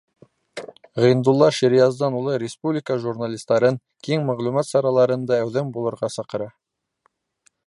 Ғиндулла Ширияздан улы республика журналистарын, киң мәғлүмәт сараларын да әүҙем булырға саҡыра.